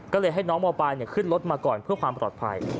ก็เลยให้น้องมบายขึ้นรถมาก่อนเพื่อความปลอดภัย